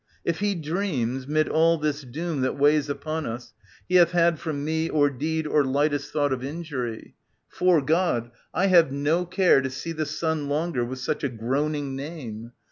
If he dreams, *mid all this doom That weighs upon us, he hath had from me Or deed or lightest thought of injury, ... 'Fore God, I have no care to see the sun Longer with such a groaning name.